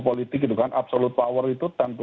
politik itu kan absolute power itu tentu